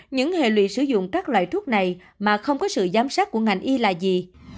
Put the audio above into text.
những hệ lụy sử dụng các loại thuốc này mà không có sự giám sát của ngành y là gì